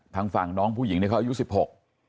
ทางฝั่งน้องผู้หญิงเนี่ยเขาอายุสิบหก